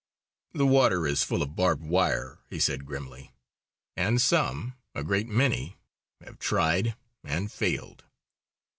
"The water is full of barbed wire," he said grimly. "And some, a great many, have tried and failed."